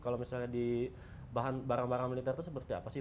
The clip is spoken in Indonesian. kalau misalnya di bahan barang militer itu seperti apa sih